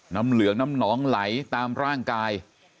น้ำเหลืองน้ำหนองไหลตามร่างกาย